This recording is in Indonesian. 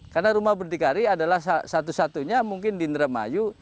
karena rumah berdikari adalah satu satunya mungkin di ndramayu